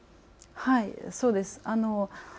はい、そうです。